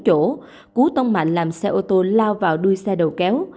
tài xế tông mạnh làm xe ô tô lao vào đuôi xe đầu kéo